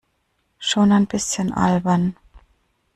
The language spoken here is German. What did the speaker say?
Schon ein bisschen albern.